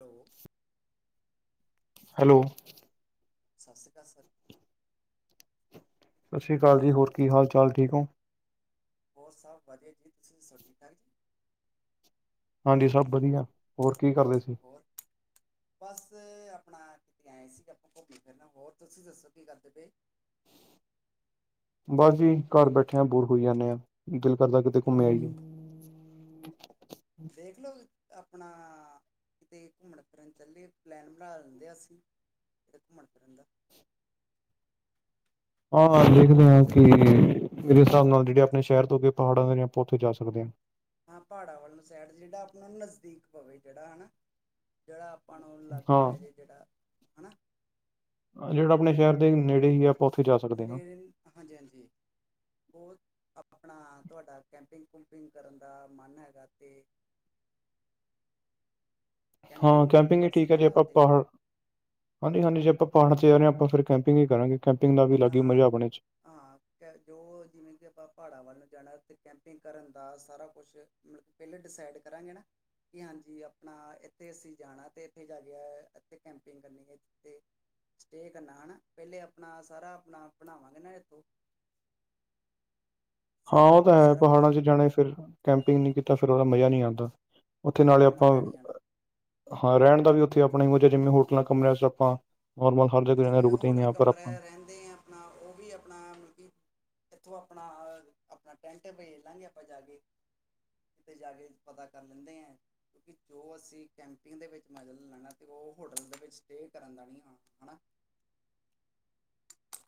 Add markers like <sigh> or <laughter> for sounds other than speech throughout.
Hello, hello, ਸਤਿ ਸ਼੍ਰੀ ਅਕਾਲ ਸਰ, ਸਤਿ ਸ਼੍ਰੀ ਹੈਲੋ ਅਕਾਲ ਜੀ ਹੋਰ ਕੀ ਹਾਲ ਚਾਲ ਠੀਕ ਓ? ਹੋਰ ਸਭ ਵਧੀਆ ਜੀ ਤੁਸੀਂ ਦੱਸੋ ਠੀਕ ਠਾਕ ਜੀ? ਹਾਂਜੀ ਸਭ ਵਧੀਆ ਹੋਰ ਕੀ ਕਰਦੇ ਹਾਂ ਸੀ? ਹੋਰ ਬਸ ਆਪਣਾ ਕਿਤੇ ਆਏ ਸੀ ਗੇ ਆਪਾਂ ਘੁੰਮਣ ਫਿਰਨ ਹੋਰ ਤੁਸੀਂ ਦੱਸੋ ਕੀ ਕਰਦੇ ਪਏ? ਬਸ ਜੀ ਘਰ ਬੈਠਿਆਂ ਬੋਰ ਹੋਈ ਜਾਂਦੇ ਆ ਦਿਲ ਕਰਦਾ ਕਿਤੇ ਘੁੰਮੇ ਆਈਏ। ਦੇਖਲੋ ਆਪਣਾ ਕਿਤੇ ਘੁੰਮਣ ਫਿਰਨ ਚੱਲੇ ਪਲੈਨ ਬਣਾ ਲੈਂਦੇ ਆ ਅਸੀਂ ਕਿਤੇ ਘੁੰਮਣ ਫਿਰਨ ਦਾ, ਹਾਂ-ਹਾਂ, ਦੇਖਦੇ ਹਾਂ ਕਿ ਮੇਰੇ ਹਿਸਾਬ ਨਾਲ ਜਿਹੜੇ ਆਪਣੇ ਸ਼ਹਿਰ ਤੋਂ ਅੱਗੇ ਪਹਾੜਾਂ ਦੇ ਨੇ ਆਪਾਂ ਉੱਥੇ ਜਾ ਸਕਦੇ ਹਾਂ। ਹਾਂ ਪਹਾੜਾਂ ਵਲੋਂ ਸਾਈਡ ਜਿਹੜਾ ਆਪਣਾ ਨਜ਼ਦੀਕ ਪਵੇ ਜਿਹੜਾ ਹਨਾ ਜਿਹੜਾ ਆਪਾਂ ਨੂੰ ਅਲੱਗ ਪੈ ਜੇ ਹਾਂ ਜਿਹੜਾ ਹਨਾ, ਜਿਹੜਾ ਆਪਣੇ ਸ਼ਹਿਰ ਦੇ ਨੇੜੇ ਹੀ ਐ, ਨੇੜੇ, ਹਾਂਜੀ-ਹਾਂਜੀ। ਹੋਰ ਆਪਣਾ ਤਵਾਡਾ ਕੈਂਪਿੰਗ-ਕੁਪਿੰਗ ਕਰਨ ਦਾ ਮਨ ਹੈਗਾ ਤੇ ਹਾਂ ਵੀ ਆਪਾਂ ਕੈਂਪਿੰਗ ਈ ਕਰ ਠੀਕ ਏ ਸਕਦੇ ਜੇ ਨਾ ਆਪਾਂ ਉੱਥੇ ਪਹਾੜ ਹਾਂਜੀ-ਹਾਂਜੀ ਜੇ ਆਪਾਂ ਪਹਾੜਾਂ ਚ ਜਾ ਰਏ ਹਾਂ ਆਪਾਂ ਫਿਰ ਕੈਂਪਿੰਗ ਈ ਕਰਾਂਗੇ। ਕੈਂਪਿੰਗ ਦਾ ਵੀ ਅਲੱਗ ਈ ਹਾਂ ਮਜਾ ਆਪਣੇ ਚ ਹਾਂ ਕ ਜੋ ਜਿਵੇਂ ਕਿ ਆਪਾਂ ਪਹਾੜਾਂ ਵੱਲ ਨੂੰ ਜਾਨੈ ਤੇ ਕੈਂਪਿੰਗ ਕਰਨ ਦਾ ਸਾਰਾ ਕੁਛ ਮਤਲਬ ਪੈਲੇ ਡਿਸਾਈਡ ਕਰਾਂਗੇ ਨਾ? ਹਾਂਜੀ-ਹਾਂਜੀ ਆਪਣਾ ਐਥੇ ਅਸੀਂ ਜਾਣਾ ਤੇ ਐਥੇ ਜਾ ਕੇ ਐਥੇ ਕੈਂਪਿੰਗ ਕਰਨੀ ਏ ਤੇ ਸਟੇਅ ਕਰਨਾ ਹੈਨਾ ਪੈਲੇ ਆਪਨਾ ਸਾਰਾ ਆਪਨਾ ਬਣਾਵਾਂਗੇ ਨਾ ਐਥੋਂ ਹਾਂ, ਸਾਰਾ ਕੁਝ ਓਹ ਤਾਂ ਹੈ ਸਾਰਾ ਕੁਝ, ਪਹਾੜਾਂ ਚ ਜਾਣੇ ਫਿਰ ਕੈਂਪਿੰਗ ਨਈ ਕੀਤਾ ਫਿਰ ਓਹਦਾ ਮਜ਼ਾ ਨਹੀ ਆਂਦਾ। ਓਥੇ ਹਾਂ ਨਾਲੇ ਉਹਦਾ ਆਪਾਂ ਮਜ਼ਾ ਨਹੀਂ ਆਣਾ ਹਾਂ ਰਹਿਣ ਦਾ ਵੀ ਓਥੇ ਆਪਣਾ ਇਹੋ ਜਿਹਾ ਜਿਵੇਂ ਹੋਟਲਾਂ ਕਮਰਿਆਂ ਚ ਆਪਾਂ ਨੋਰਮਲ ਹਰ ਜਗ੍ਹਾ ਰਹਿੰਦੇ ਜਿਵੇਂ ਰੁਕਦੇ ਹੀ ਹੋਟਲ ਹਾਂ ਪਰ ਕਮਰੇ ਆਪਾਂ ਰਹਿੰਦੇ ਆਂ ਆਪਨਾ ਓਹ ਵੀ ਆਪਨਾ ਮਤਲਬ ਕਿ ਐਥੋਂ ਆਪਣਾ, ਆਪਨਾ ਟੈਂਟ ਭੇਜ ਦਾਂਗੇ ਆਪਨਾ ਜਾ ਕੇ ਕਿਤੇ ਜਾ ਕੇ ਪਤਾ ਕਰ ਲੈਂਦੇ ਆਂ ਕਿਉਂਕਿ ਜੋ ਅਸੀਂ ਕੈਂਪਿੰਗ ਦੇ ਵਿੱਚ ਮਜਾ ਲ ਲੈਨਾ ਤੇ ਓਹ ਹੋਟਲ ਦੇ ਵਿੱਚ ਸਟੇਅ ਕਰਨ ਦਾ ਨਈ ਆਨਾ, ਹੈਨਾ।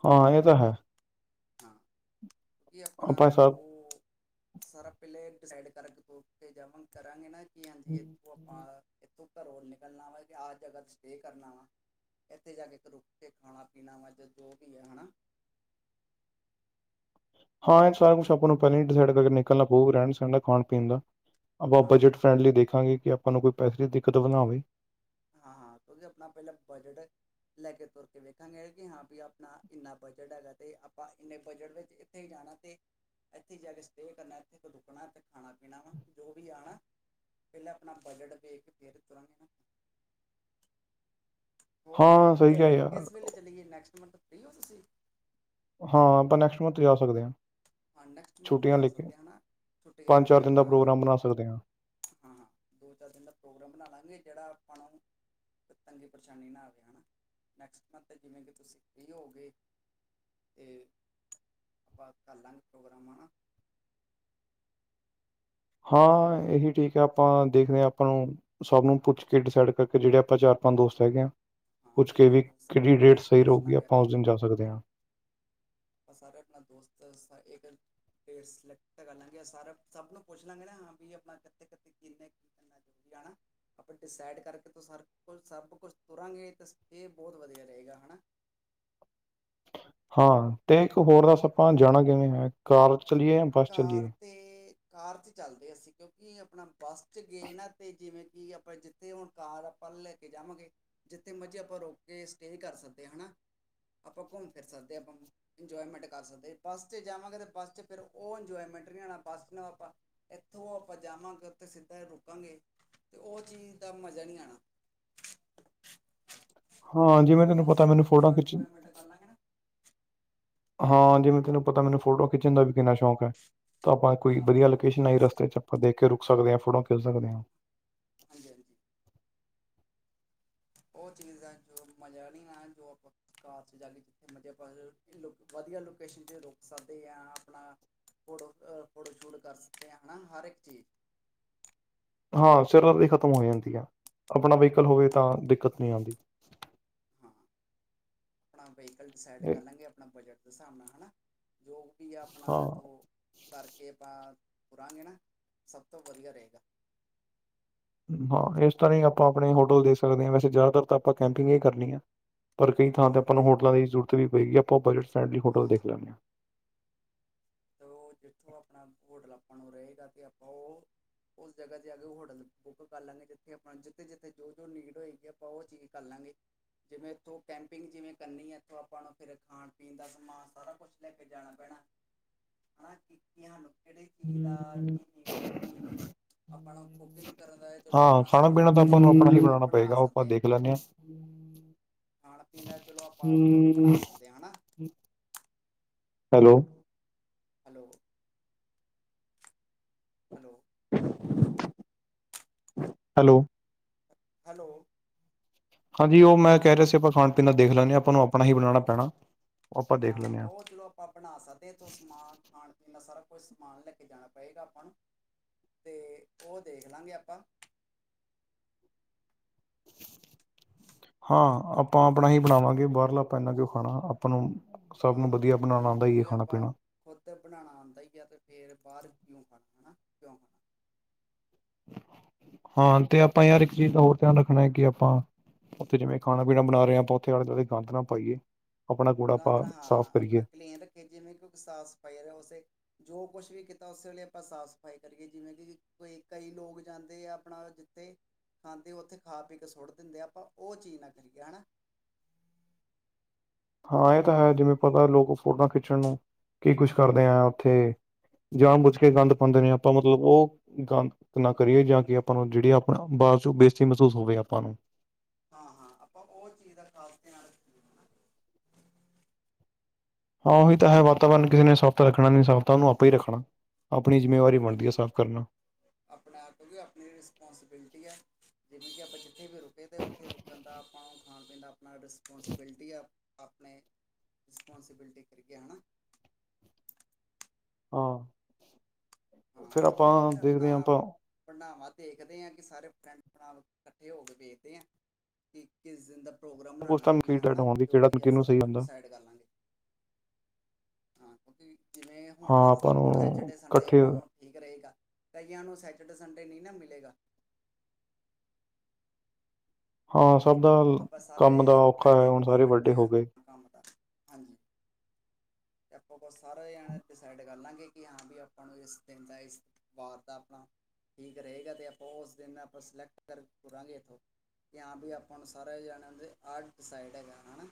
ਹਾਂ ਏਹ ਤਾਂ ਹੈ। ਹਾਂ, ਕਯੋਂਕਿ ਆਪਨਾ ਆਪਾਂ ਐਥੋਂ ਸਭ ਓਹ ਸਾਰਾ ਪੈਲੇ ਡਿਸਾਈਡ ਕਰਕੇ ਓਥੇ ਜਾਵਾਂਗੇ। ਕਰਾਂਗੇ ਨਾ ਕਿ ਹਾਂਜੀ ਐਥੋਂ ਆਪਾਂ ਇੱਥੋਂ ਘਰੋਂ ਨਿਕਲਣਾ ਵਾ ਕਿ ਆ ਜਗਾ ਤੇ ਸਟੇਅ ਕਰਨਾ ਵਾ ਐਥੇ ਜਾ ਕੇ ਇੱਕ ਰੁੱਕ ਕੇ ਖਾਣਾ ਪੀਣਾ ਮੱਲਬ ਜੋ ਵੀ ਐ, ਹੈਨਾ ਹਾਂ ਏਹ ਸਾਰਾ ਕੁਛ ਆਪਾਂ ਨੂੰ ਪੈਲਾਂ ਈ ਡਿਸਾਈਡ ਕਰਕੇ ਨਿਕਲਣਾ ਪਊ ਰਹਿਣ ਸਹਿਣ ਤੇ ਖਾਣ ਪੀਣ ਦਾ ਆਪਾਂ ਹਾਂ ਬਜਟ ਫਰੈਂਡਲੀ ਦੇਖਾਂਗੇ ਕਿ ਆਪਾਂ ਨੂੰ ਕੋਈ ਪੈਸੇ ਦੀ ਦਿੱਕਤ ਵੀ ਨਾ ਹੋਵੇ। ਹਾਂ-ਹਾਂ ਕਿਯੋਂਕਿ ਆਪਨਾ ਪਹਿਲਾਂ ਬਜਟ ਲੈ ਕੇ ਤੁਰ ਕੇ ਵੇਖਾਂਗੇ ਕਿ ਹਾਂ ਵੀ ਆਪਣਾ ਇੰਨਾ ਬਜਟ ਹੈਗਾ ਤੇ ਆਪਾਂ ਇੰਨੇ ਬਜਟ ਵਿੱਚ ਇੱਥੇ ਜਾਣਾ ਤੇ ਐਥੇ ਜਾ ਕੇ ਸਟੇਅ ਕਰਨਾ, ਐਥੇ ਕੋ ਰੁਕਣਾ ਤੇ ਖਾਣਾ ਪੀਣਾ ਵਾ, ਜੋ ਵੀ ਆ ਨਾਂ। ਪੈਲਾਂ ਆਪਨਾ ਬਜਟ ਵੇਖ ਕੇ ਫਿਰ ਤੁਰਾਂਗੇ ਨਾ। ਹੋਰ ਹਾਂ ਕ ਸਹੀ ਹੈ ਯਾਰ ਕਿਸ ਵੇਲੇ ਚਲੀਏ? ਨੈਕਸਟ ਮੰਥ ਫ੍ਰੀ ਹੋ ਤੁਸੀਂ? ਹਾਂ, ਆਪਾਂ ਨੈਕਸਟ ਮੰਥ ਜਾ ਸਕਦੇ ਆਂ। ਹਾਂ, ਨੈਕਸਟ ਮੰਥ ਜਾ ਸਕਦੇ ਆਂ ਨਾ, ਛੁੱਟੀਆਂ ਪੰਜ ਵਿੱਚ ਚਾਰ ਦਿਨ ਦਾ ਆਪਣਾ ਪ੍ਰੋਗਰਾਮ ਬਣਾ ਸਕਦੇ ਹਾਂ ਹਾਂ, ਦੋ-ਚਾਰ ਦਿਨ ਦਾ ਪ੍ਰੋਗਰਾਮ ਬਨਾ ਲਾਂਗੇ ਜੇਹੜਾ ਆਪਾਂ ਤੰਗੀ ਪਰੇਸ਼ਾਨੀ ਨਾ ਆਵੇ, ਹਨਾ। ਨੈਕਸਟ ਮੰਥ ਜਿਵੇਂ ਕਿ ਤੁਸੀਂ ਫ੍ਰੀ ਹੋਵੋਗੇ ਤੇ ਆਪਾਂ ਕਰ ਲਾਂਗੇ ਪ੍ਰੋਗਰਾਮ, ਹਨਾ। ਹਾਂ ਏਹੀ ਠੀਕ ਹੈ। ਆਪਾਂ ਦੇਖਨੇ ਆਂ ਆਪਾਂ ਨੂੰ ਸਭ ਨੂੰ ਪੁੱਛ ਕੇ ਡਿਸਾਈਡ ਕਰਕੇ ਜੇਹੜੇ ਆਪਾਂ ਚਾਰ-ਪੰਜ ਦੋਸਤ ਹੈਗੇ ਆਂ ਹਾਂ ਪੁੱਛ ਕੇ ਜਿਹੜੇ ਵੀ ਦੋਸਤ ਆਪਾਂ ਕੇਹਡੀ ਡੇਟ ਜਾਣਾ ਸਈ ਪੁੱਛ ਰਹੂਗੀ ਲਾਂਗੇ ਆਪਾਂ ਉਸ ਦਿਨ ਜਾ ਸਕਦੇ ਹਾਂ। ਅਸਾਂ ਸਾਰੇ ਆਪਣਾ ਦੋਸਤ ਏਹ ਗੱਲ ਫਿਰ ਸਲੈਕਟ ਕਰ ਲਾਂਗੇ ਸਾਰਾ ਸਭ ਨੂੰ ਪੁੱਛ ਲਾਂਗੇ ਨਾ ਹਾਂ ਵੀ ਆਪਣਾ ਕਿੱਥੇ ਕਿੱਥੇ ਕਿੰਨੇ ਕੀ ਐਹ ਜਰੂਰੀ ਆ ਨਾ। ਆਪਾਂ ਡਿਸਾਈਡ ਕਰਕੇ ਤੁਸਾਂ ਰਖੋ ਸਭ ਕੁਛ ਤੁਰਾਂਗੇ ਤਾਂ ਏਹ ਬਹੁਤ ਵਧੀਆ ਰਹੇਗਾ, ਹਨਾਂ। ਹਾਂ, ਤੇ ਇੱਕ ਹੋਰ ਦੱਸ ਆਪਾਂ ਜਾਣਾ ਕਿਵੇਂ ਏ? ਕਾਰ ਤੇ ਚਲੀਏ? ਬੱਸ ਕਾਰ ਚਲੀਏ ਤੇ, ਕਾਰ ਤੇ ਚਲਦੇ ਅਸੀਂ ਕਿਉਂਕਿ ਆਪਨਾ ਬੱਸ ਤੇ ਗਏ ਨਾ ਤੇ ਜਿਵੇਂ ਕੀ ਆਪਾਂ ਜਿੱਥੇ ਹੁਨ ਕਾਰ ਆਪਾਂ ਲੈ ਕੇ ਜਾਵਾਂਗੇ ਜਿੱਥੇ ਮਰਜ਼ੀ ਆਪਾਂ ਰੁੱਕ ਕੇ, ਸਟੇਅ ਕਰ ਸਕਦੇ ਆਂ ਹਨਾ। ਆਪਾਂ ਘੁੰਮ ਫਿਰ ਸਕਦੇ ਹਾਂ, ਆਪਾਂ ਇੰਜੋਏਮੈਂਟ ਕਰ ਸਕਦੇ ਆ ਬੱਸ'ਤੇ ਜਾਵਾਂਗੇ ਤਾਂ ਬੱਸ'ਚ ਫੇਰ ਓ ਇੰਜੋਏਮੈਂਟ ਨੀ ਔਣਾ, ਬੱਸ ਨਾ ਆਪਾਂ ਐਥੋਂ ਆਪਾਂ ਜਾਵਾਂਗੇ, ਓਥੇ ਸਿੱਧਾ ਈ ਰੁਕਾਂਗੇ। ਤੇ ਓ ਚੀਜ਼ ਦਾ ਮਜ਼ਾ ਨੀ ਆਂਣਾ। ਹਾਂ, ਜਿਵੇਂ ਜੋ ਤੈਨੂੰ ਬੱਸ ਪਤਾ ਵਿੱਚ ਮੈਨੂੰ ਫੋਟੋ ਆਪਾਂ ਖਿੱਚਣ ਇੰਜੋਏਮੈਂਟ ਕਰ ਲਾਂਗੇ ਨਾ ਹਾਂ, ਜਿਵੇਂ ਤੈਨੂੰ ਪਤਾ ਮੈਨੂੰ ਫੋਟੋਆਂ ਖਿੱਚਣ ਦਾ ਵੀ ਕਿੰਨਾ ਸ਼ੌਕ ਹੈ। ਤੇ ਆਪਾਂ ਕੋਈ ਹਾਂ ਵਧੀਆ ਫੋਟੋ ਲੋਕੇਸ਼ਨ ਖਿੱਚਾਂ ਆਈ ਰਸਤੇ ਚ, ਆਪਾਂ ਦੇਖ ਕੇ ਰੁਕ ਸਕਦੇ ਹਾਂ, ਫੋਟੋਆਂ ਖਿੱਚ ਸਕਦੇ ਹਾਂ। ਹਾਂਜੀ-ਹਾਂਜੀ। ਓ ਚੀਜ਼ ਦਾ ਐ, ਜੋ ਮਜ਼ਾ ਨੀ ਨਾ, ਜੋ ਆਪਾਂ ਕਾਰ ਚ ਜਾ ਕੇ, ਜਿੱਥੇ ਮਰਜ਼ੀ ਆਪਣਾ ਵਧੀਆ ਲੋਕੇਸ਼ਨ ਚ ਰੁਕ ਸਕਦੇ ਆ। ਆਪਣਾ ਫੋਟੋ ਅ ਫੋਟੋ ਸ਼ੂਟ ਕਰ ਸਕਦੇ ਆ, ਹਨਾ ਹਰ ਇੱਕ ਚੀਜ਼ ਹਾਂ, ਸਿਰਦਰਦੀ ਖ਼ਤਮ ਹੋ ਜਾਂਦੀ ਐ, ਆਪਣਾ ਵਹੀਕਲ ਹੋਵੇ ਹਾਂ ਤਾਂ ਦਿੱਕਤ ਨੀ ਆਂਦੀ। ਹਾਂ, ਆਪਣਾ ਵਹੀਕਲ ਡੀਸਾਈਡ ਇਹ ਕਰਲਾਂਗੇ, ਆਪਣਾ ਬਜਟ ਦੇ ਸਾਬ ਨਾ ਹਨਾ, ਜੋ ਵੀ ਆਪਣਾ, ਹਾਂ ਏਥੋ ਕਰਕੇ ਆਪਾਂ ਤੁਰਾਂਗੇ ਨਾ, ਸਬ ਤੋਂ ਵਧੀਆ ਰਹੇਗਾ। ਹਾਂ, ਏਸ ਤਰ੍ਹਾਂ ਹੀ ਆਪਾਂ ਆਪਣੇ ਹੋਟਲ ਦੇਖ ਸਕਦੇ ਆਂ, ਵੈਸੇ ਜ਼ਿਆਦਾਤਰ ਤਾਂ ਆਪਾਂ ਕੈਂਪਿੰਗ ਈ ਕਰਨੀ ਆ। ਪਰ ਕਈ ਥਾਂ ਤੇ ਹਾਂ ਆਪਾਂ ਨੂੰ ਕੈਂਪ ਹੋਟਲਾਂ ਦੀ ਜ਼ਰੂਰਤ ਵੀ ਪਏਗੀ, ਆਪਾਂ ਬਜਟ ਫਰੈਂਡਲੀ ਹੋਟਲ ਹਾਂ ਦੇਖ ਲਾਂਗੇ। ਤੇ ਓ ਜਿੱਥੋਂ ਆਪਣਾ ਹੋਟਲ ਆਪਾਂ ਨੂੰ ਰਏਗਾ ਤੇ ਆਪਾਂ ਓ ਓਸ ਜਗ੍ਹਾ ਤੇ ਆ ਕੇ ਓ ਹੋਟਲ ਬੁੱਕ ਕਰ ਲੈਣੇ, ਜਿੱਥੇ ਆਪਣਾ ਜਿੱਥੇ-ਜਿੱਥੇ, ਜੋ-ਜੋ ਨੀਡ ਹੋਏਗੀ। ਆਪਾਂ ਓ ਚੀਜ਼ ਕਰਲਾਂਗੇ। ਜਿਵੇਂ ਏਥੋਂ ਕੈਂਪਿੰਗ ਜਿਵੇਂ ਕਰਨੀ ਐ, ਏਥੋਂ ਆਪਾਂ ਨੂੰ ਫੇਰ ਖਾ-ਪੀਣ ਦਾ ਸਮਾਨ ਸਾਰਾ ਕੁਛ ਲੈ ਕੇ ਜਾਣਾ ਪੈਣਾ। ਹਾਂ, ਕੀਤੀਆਂ ਨੂੰ ਕੇੜੇ ਚੀਜ਼ ਦਾ ਆ ਕੀ ਨੀਡ ਆ। ਕੀ ਨੀ, ਆਪਾ ਨੂੰ ਕੁਕਿੰਗ ਕਰਨ ਦਾ ਐ। ਚਲੋ, ਹਾਂ ਹਾਂ ਆਪਣਾ ਖਾਣਾ ਪੀਣਾ ਤਾਂ ਖਾਣਾ-ਪੀਣਾ ਆਪਾਂ ਨੂੰ ਤੁਆਨੂੰ ਆਪਣਾ ਪਤਾ ਹੀ ਆਪਾਂ ਬਣਾਉਣਾ ਬਣਾ ਪਏਗਾ ਉਹ ਆਪਾਂ ਸਕਦੇ ਆਂ। ਦੇਖ ਲੈਂਦੇ ਹਾਂ ਖਾਣ-ਪੀਣ ਦਾ ਚਲੋ, ਆਪਾਂ ਖੁਦ ਬਣਾ ਸਕਦੇ ਆਂ ਹਨਾ। Hello. Hello. Hello. Hello. Hello. ਹਾਂਜੀ, ਓ ਮੈਂ ਕੈ ਰਿਹਾ ਸੀ ਆਪਾਂ ਖਾਣ-ਪੀਣ ਦੇਖ ਲੈਂਦੇ ਆ, ਆਪਾਂ ਨੂੰ ਆਪਣਾ ਹੀ ਬਣਾਣਾ ਪੈਣਾ। ਉਹ ਆਪਾਂ ਦੇਖ ਹਾਂ, ਲੈਂਦੇ ਓ ਚਲੋ ਆਪਾਂ ਬਣਾ ਸਕਦੇ ਆ, ਏਥੋਂ ਸਮਾਨ ਖਾਣ-ਪੀਣ ਦਾ ਸਾਰਾ ਕੁਛ ਸਮਾਨ ਲੈ ਕੇ ਜਾਣਾ ਪਏਗਾ, ਆਪਾਂ ਨੂੰ ਤੇ ਓ ਦੇਖ ਲਾਂਗੇ ਆਪਾਂ। ਹਾਂ, ਆਪਾਂ ਆਪਣਾ ਹੀ ਬਣਾਵਾਂਗੇ, ਬਾਰਲਾ ਆਪਾਂ ਐਨਾ ਕਿਓ ਖਾਣਾ। ਆਪਾਂ ਨੂੰ ਸਭ ਹਾਂ ਨੂੰ ਵਧੀਆ ਬਣਾਨਾ ਜੋ ਔਦਾ ਈ ਐ, ਕਿਉਂਕਿ ਆਪਾਂ ਖਾਣਾ-ਪੀਣਾ ਖੁਦ ਬਣਾਣਾ ਆਂਦਾ ਈ ਐ ਤੇ ਫੇਰ ਬਾਰ ਕਿਉਂ ਖਾਣਾ ਹਨਾ, ਕਿਉਂ ਖਾਣਾ? ਹਾਂ, ਤੇ ਆਪਾਂ ਯਾਰ ਇੱਕ ਚੀਜ਼ ਦਾ ਹੋਰ ਧਿਆਨ ਰੱਖਣਾ ਐ, ਕਿ ਆਪਾਂ ਓਥੇ ਜਿਵੇਂ ਖਾਣਾ-ਪੀਣਾ ਬਣਾ ਰਹੇ ਆਂ, ਆਪਾ ਓਥੇ ਆਲੇ-ਦਵਾਲੇ ਗੰਦ ਨਾ ਪਾਈਏ। ਆਪਣਾ ਕੂੜਾ ਗੰਦ ਆਪਾਂ ਨਾ ਸਾਫ਼ ਹਾਂ, ਆਪਣਾ ਕਰੀਏ ਕਲੀਨ ਰੱਖੀਏ, ਜਿਵੇਂ ਕਿਓਕੇ ਸਾਫ਼ ਸਫ਼ਾਈ ਆਲਾ ਓਸੇ ਜੋ ਕੁਛ ਵੀ ਕੀਤਾ, ਓਸੇ ਵੇਲੇ ਆਪਾਂ ਸਾਫ਼-ਸਫ਼ਾਈ ਕਰੀਏ, ਜਿਵੇਂ ਕਿ ਕੋਈ ਕਈ ਲੋਕ ਜਾਂਦੇ ਆ, ਆਪਣਾ ਅਤੇ ਖਾਂਦੇ ਓਥੇ ਖਾ ਪੀ ਕੇ ਸੁੱਟ ਦਿੰਦੇ, ਆਪਾਂ ਓ ਚੀਜ਼ ਨਾ ਕਰੀਏ ਹਨਾ। ਹਾਂ, ਏ ਤਾਂ ਹੈ ਜਿਵੇਂ ਪਤਾ ਲੋਕ ਫੋਟੋਆਂ ਖਿੱਚਣ ਨੂੰ ਕੀ ਕੁਛ ਕਰਦੇ ਆ, ਓਥੇ ਜਾਣ ਬੁੱਝ ਕੇ ਗੰਦ ਪਾਉਂਦੇ ਨੇ, ਆਪਾਂ ਮਤਲਬ ਓ ਗੰਦ ਨਾ ਕਰੀਏ ਜਾਂ ਕਿ ਆਪਾਂ ਨੂੰ ਜੇੜੀ ਆਪਾ ਨੂੰ ਬਾਦ ਚੋ ਬੇਜਤੀ ਮਹਿਸੂਸ ਹੋਵੇ ਆਪਾਂ ਨੂੰ। ਹਾਂ-ਹਾਂ, ਆਪਾਂ ਓ ਚੀਜ਼ ਦਾ ਖ਼ਾਸ ਧਿਆਨ ਰੱਖੀਏ। ਹਨਾ ਹਾਂਜੀ ਹਾਂ ਉਹੀ ਤਾਂ ਹੈ ਵਾਤਾਵਰਨ ਕਿਸੇ ਨੇ ਸਫ਼ਤਾ ਰੱਖਣਾ ਨੀ ਸਾਫ਼ ਤਾਂ ਉਹਨੂੰ ਆਪੇ ਹੀ ਰੱਖਣਾ ਆਪਣੀ ਜਿੰਮੇਵਾਰੀ ਬਣਦੀ ਐ ਹਾਂਜੀ ਸਾਫ਼ ਕਰਨਾ ਆਪਣਾ ਕਹਿੰਦੇ ਆਪਣੀ ਰਿਸਪੋਂਸੀਬਿਲਟੀ ਹੈ ਜਿਵੇਂ ਕਿ ਉੱਥੇ ਵੀ ਰੁਕੇ ਤਾਂ ਉੱਥੇ ਰੁਕਣ ਦਾ ਆਪਾਂ ਨੂੰ ਖਾਣ ਪੀਣ ਆਪਣਾ ਰਿਸਪੋਂਸੀਬਿਲਿਟੀ ਆ ਆਪਣੇ ਰਿਸਪੋਂਸੀਬਿਲਟੀ ਕਰਕੇ ਹਨਾ। ਹਾਂ ਫਿਰ ਆਪਾਂ ਦੇਖਦੇ ਹਾਂ ਆਪਾਂ ਭੰਡਨਾਵਾਂ ਦੇਖਦੇ ਹਾਂ ਕਿ ਸਾਰੇ ਫਰੈਂਡ ਭਰਾ ਇਕੱਠੇ ਹੋ ਕੇ ਵੇਖਦੇ ਆ ਇੱਕੀ ਕਿਸ ਦਿਨ ਦਾ ਪ੍ਰੋਗਰਾਮ ਉਸ ਬਣਾਉਣਾ ਟਾਈਮ ਆਪਣਾ ਕੀ ਡੈਡ ਹੈਨਾ ਹੋਣ ਦੀ ਜੋ ਕਿਹੜਾ ਵੀ ਹੈ ਕਿਹਨੂੰ ਸਾਰਾ ਸਹੀ ਕੁਛ ਹੁੰਦਾ ਡਿਸਾਈਡ ਕਰ ਲਾਂਗੇ ਹਾਂ ਕਿਉਂਕਿ ਜਿਵੇਂ ਹੁਣ ਹਾਂ ਨੂੰ ਆਪਾਂ ਐਚ ਸੰਡੇ ਇਕੱਠੇ ਆਪਾਂ ਨੂੰ ਠੀਕ ਰਹੇਗਾ ਕਈਆਂ ਨੂੰ ਸੈਟਰਡੇ ਸੰਡੇ ਨਹੀਂ ਨਾ ਮਿਲੇਗਾ ਹਾਂ ਸੱਦਾ ਆਪਾਂ ਸਾਰੇ ਫਰੈਂਡ ਇੱਕ ਵਾਰ ਇਕੱਠੇ ਹੋ ਗਏ ਕੰਮ ਤੱਕ ਹਾਂਜੀ ਆਪਾਂ ਬਸ ਸਾਰੇ ਜਾਣੇ ਡਿਸਾਈਡ ਕਰ ਲਾਂਗੇ ਕਿ ਹਾਂ ਵੀ ਆਪਾਂ ਨੂੰ ਇਸ ਦਿਨ ਦਾ ਇਸ ਵਾਰ ਦਾ ਆਪਣਾ ਠੀਕ ਰਹੇਗਾ ਤੇ ਆਪਾਂ ਉਸ ਦਿਨ ਆਪਾਂ ਸਿਲੈਕਟ ਕਰ ਤੁਰਾਂਗੇ ਇੱਥੋਂ ਜਾਂ ਵੀ ਆਪਾਂ ਨੂੰ ਸਾਰੇ ਜਾਣੇ ਆ ਡਿਸਾਈਡ ਹੈਗਾ ਨਾ।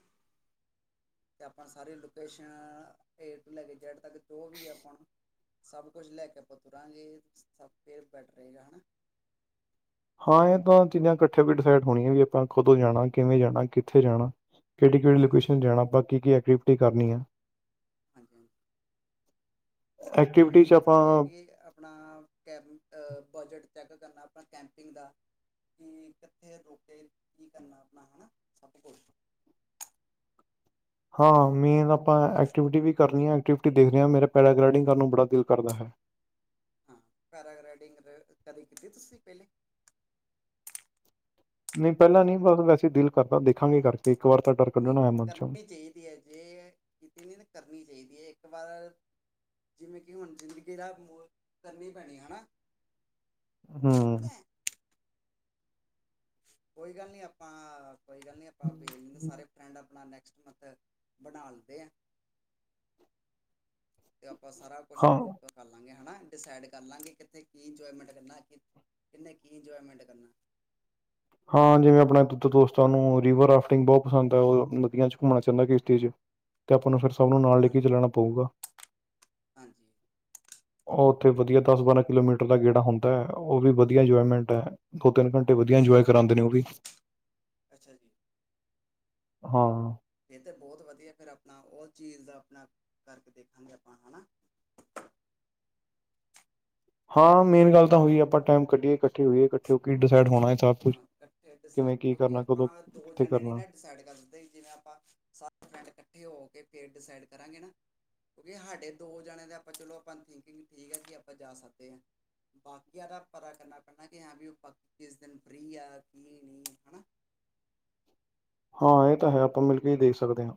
ਤੇ ਆਪਾਂ ਸਾਰੀ ਲੋਕੇਸ਼ਨ ਏ ਤੋਂ ਲੈ ਕੇ ਜੈਡ ਤੱਕ ਜੋ ਵੀ ਆਪਾਂ ਨੂੰ। ਸਭ ਕੁਝ ਲੈ ਕੇ ਆਪਾਂ ਤੁਰਾਂਗੇ ਫਿਰ ਬੈਟ ਰਹੇਗਾ ਹਨਾ। ਹਾਂ ਇਹ ਤਾਂ ਚੀਜ਼ਾਂ ਇਕੱਠੇ ਵੀ ਡਿਸਾਈਡ ਹੋਣੀਆਂ ਵੀ ਆਪਾਂ ਕਦੋਂ ਜਾਣਾ ਕਿਵੇਂ ਜਾਣਾ ਕਿੱਥੇ ਜਾਣਾ। ਕਿਹੜੀ ਕਿਹੜੀ ਹੂੰ ਲੋਕੇਸ਼ਨ ਜਾਣਾ ਆਪਾਂ ਕੀ ਕੀ ਐਕਟੀਵਿਟੀ ਕਰਨੀ ਹੈ। ਹਾਂਜੀ ਹਾਂਜੀ ਸਭ ਤੋਂ ਐਕਟੀਵਿਟੀ ਮੇਨ 'ਚ ਆਪਾਂ ਜ਼ਰੂਰੀ ਐ ਕੇ ਆਪਣਾ ਕੈਬਿਨ ਬਜਟ ਚੈੱਕ ਕਰਨਾ ਆਪਣਾ ਕੈਂਪਿੰਗ ਦਾ। ਕਿ ਕਿੱਥੇ ਰੁਕੇ ਕੀ ਕਰਨਾ ਆਪਣਾ ਹਨਾ ਸਭ ਕੁਛ। ਹਾਂ ਮੇਨ ਆਪਾਂ ਐਕਟੀਵਿਟੀ ਵੀ ਕਰਨੀ ਹਾਂ ਐਕਟੀਵਿਟੀ ਦੇਖ ਰਹੇ ਹਾਂ। ਮੇਰਾ ਪੈਰਾਗਲਾਈਡਿੰਗ ਕਰਨ ਨੂੰ ਬੜਾ ਦਿਲ ਕਰਦਾ ਹੈ। ਹਾਂ ਪੈਰਾਗਲਾਈਡਿੰਗ ਕਦੇ ਕੀਤੀ ਤੁਸੀਂ ਪਹਿਲੇ। ਨਹੀਂ ਪਹਿਲਾਂ ਨਹੀਂ ਬਸ ਵੈਸੇ ਦਿਲ ਕਰਦਾ ਦੇਖਾਂਗੇ ਕਰਕੇ ਇੱਕ ਵਾਰ ਤਾਂ ਡਰ ਨਹੀਂ ਕੱਢਣਾ ਮਨ ਚੋਂ। ਕਰਨੀ ਚਾਹੀਦੀ ਜੇ ਕੀਤੀ ਦੀ ਨਾ ਕਰਨੀ ਚਾਹੀਦੀ ਹੈ ਇੱਕ ਵਾਰ। ਜਿਵੇਂ ਕਿ ਹੁਣ ਜ਼ਿੰਦਗੀ ਦਾ ਮੋਲ ਕਰਨੀ ਪੈਣੀ ਹੈਨਾ। ਹੂੰ,,, ਕੋਈ ਗੱਲ ਨੀ ਆਪਾਂ ਕੋਈ ਗੱਲ ਨੀ ਆਪਾਂ ਸਾਰੇ ਫਰੈਂਡ ਆਪਣਾ ਨੈਕਸਟ। ਮਤ ਬਣਾ ਦੇ। ਤੇ ਆਪਾਂ ਸਾਰਾ ਕੁਛ ਹਾਂ ਉਹ ਕਰ ਲਾਂਗੇ ਹਨਾ ਡਿਸਾਈਡ ਕਰ ਲਾਂਗੇ ਕਿੱਥੇ ਕੀ ਇੰਜੋਏਮੈਂਟ ਕਰਨਾ ਅੱਗੇ ਕਿੰਨੇ ਕੀ ਇੰਜੋਏਮੈਂਟ ਕਰਨਾ। ਹਾਂ ਜਿਵੇਂ ਆਪਣੇ ਦੂਜੇ ਦੋਸਤਾਂ ਨੂੰ ਰਿਵਰ ਰਾਫਟਿੰਗ ਬਹੁਤ ਪਸੰਦ ਹੈ। ਉਹ ਨਦੀਆਂ ਚ ਘੁੰਮਣਾ ਚਾਹੁੰਦਾ ਕਿਸ਼ਤੀ ਚ। ਤੇ ਆਪਾਂ ਨੂੰ ਫਿਰ ਸਭ ਨੂੰ ਨਾਲ ਲੈ ਹਾਂ ਕੇ ਚੱਲਣਾ ਪਊਗਾ। ਹਾਂਜੀ ਉਹ ਉੱਥੇ ਵਧੀਆ ਦਸ ਬਾਰਾਂ ਕਿਲੋਮੀਟਰ ਦਾ ਗੇੜਾ ਹੁੰਦਾ ਹੈ। ਉਹ ਵੀ ਵਧੀਆ ਇੰਜੋਏਮੈਂਟ ਹੈ। ਦੋ ਤਿੰਨ ਘੰਟੇ ਵਧੀਆ ਅੱਛਾ ਇੰਜੋਏ ਜੀ ਕਰਾਉਂਦੇ ਨੇ ਉਹ ਵੀ। ਅੱਛਾ ਜੀ। ਹਾਂ। ਫਿਰ ਤਾਂ ਬਹੁਤ ਵਧੀਆ ਫਿਰ ਆਪਣਾ ਉਹ ਚੀਜ਼ ਦਾ ਆਪਣਾ ਕਰਕੇ ਦੇਖਾਂਗੇ ਆਪਾਂ ਹਨਾ। ਹਾਂ ਮੇਨ ਗੱਲ ਤਾਂ ਹੋਈਏ ਆਪਾਂ ਟਾਈਮ ਕੱਢੀਏ ਇਕੱਠੇ ਹੋਈਏ ਇਕੱਠੇ ਹੋ ਕੇ ਡਿਸਾਈਡ ਹੋਣਾ ਇਹ ਤਾਂ ਇਕੱਠੇ ਡਿਸਾਈਡ ਕਿਉਂਕਿ ਆਪਾਂ ਦੋ ਕਿੱਥੇ ਜਣੇ ਨੀ ਕਰਨਾ ਨਾ। ਡਾਈਡ ਕਰ ਦਿੰਦੇ ਜਿਵੇਂ ਆਪਾਂ ਸਾਰਾ ਪਿੰਡ ਇਕੱਠੇ ਹੋ ਕੇ ਫਿਰ ਡਿਸਾਈਡ ਕਰਾਂਗੇ ਨਾ। ਕਿਉਂਕਿ ਹਾਡੇ ਦੋ ਜਾਣੇ ਦਾ ਆਪਾਂ ਚਲੋ ਆਪਾਂ ਥਿੰਕਿੰਗ ਠੀਕ ਹੈ ਕਿ ਆਪਾਂ ਜਾ ਸਕਦੇ ਹਾਂ। ਬਾਕੀਆਂ ਦਾ ਪਤਾ ਕਰਨਾ ਪੈਂਦਾ ਕਿ ਹਾਂ ਵੀ ਉਹ ਬਾਕੀ ਕਿਸ ਦਿਨ ਫਰੀ ਆ ਕੀ ਨਹੀਂ ਹਨਾ। ਹਾਂ ਇਹ ਤਾਂ ਹੈ ਆਪਾਂ ਮਿਲ ਕੇ ਹੀ ਦੇਖ ਸਕਦੇ ਹਾਂ।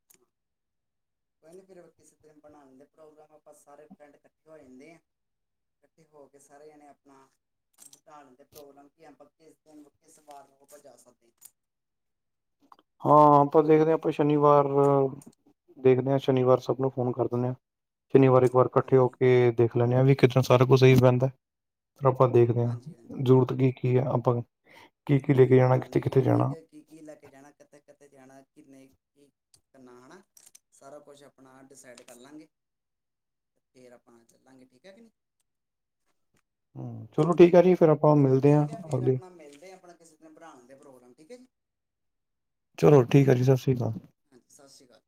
<inaudible> ਕੋਈ ਨ ਫੇਰ ਕਿਸੇ ਤਰ੍ਹਾਂ ਬਣਾ ਲੈਂਦੇ ਪ੍ਰੋਗਰਾਮ ਆਪਾਂ ਸਾਰੇ ਫਰੈਂਡ ਇਕੱਠੇ ਹੋ ਜਾਂਦੇ ਆ। ਕੱਠੇ ਹੋ ਕੇ ਸਾਰੇ ਜਣੇ ਆਪਣਾ <unintelligible> ਪ੍ਰੋਗਰਾਮ ਕੀ ਐ ਆਪਾਂ ਕਿਸ ਦਿਨ, ਕਿਸ ਵਾਰ ਨੂੰ ਆਪਾ ਜਾ ਸਕਦੇ ਆ। ਹਾਂ ਆਪਾਂ ਦੇਖਦੇ ਹਾਂ ਆਪਾਂ ਸ਼ਨੀਵਾਰ ਦੇਖਦੇ ਹਾਂ ਸ਼ਨੀਵਾਰ ਸਭ ਨੂੰ ਫੋਨ ਕਰ ਦਿੰਨੇ ਆ, ਸ਼ਨੀਵਾਰ ਇੱਕ ਵਾਰ ਕੱਠੇ ਹੋ ਹਾਂਜੀ ਕੇ ਦੇਖ ਲੈਂਨੇ ਆ ਵੀ ਕਿ ਕਿਦਾ ਸਾਰ ਕੁਛ ਸਹੀ ਪੈਂਦਾ। ਫੇਰ ਆਪਾਂ ਦੇਖਦੇ ਹਾਂ ਹਾਂਜੀ ਹਾਂਜੀ ਜ਼ਰੂਰਤ ਕੀ ਕੀ ਆ, ਆਪਾਂ ਕੀ ਕੀ ਲੇ ਕੇ ਜਾਣਾ ਹਾਂ ਕਿੱਥੇ ਕਿੱਥੇ ਨੀਡ ਕੀ ਜਾਣਾ ਕੇ ਕੀ ਕੀ ਲੈ ਕੇ ਜਾਣਾ ਕਿੱਥੇ ਕਿੱਥੇ ਜਾਣਾ ਕਿੰਨੇ ਕੀ ਕਰਨਾ ਹੈਨਾ, ਸਾਰਾ ਕੁਛ ਆਪਣਾ ਡਿਸਾਈਡ ਕਰ ਲਾਂਗੇ। ਫੇਰ ਆਪਾਂ ਚੱਲਾਂਗੇ ਠੀਕ ਐ ਕਿ ਨੀ। ਹੁੰ ਚਲੋ ਠੀਕ ਐ ਜੀ ਫੇਰ ਆਪ ਚਲੋ ਠੀਕ ਐ ਫੇਰ ਆਪਣਾ ਮਿਲਦੇ ਹਾਂ ਆਪਣਾ ਕਿਸੇ ਦਿਨ ਬਣਾਉਣ ਦੇ ਪ੍ਰੋਗਰਾਮ ਠੀਕ ਐ ਜੀ। ਚਲੋ ਠੀਕ ਐ ਜੀ ਸਤਿ ਸ੍ਰੀ ਅਕਾਲ। ਹਾਂਜੀ, ਸਤਿ ਸ਼੍ਰੀ ਅਕਾਲ।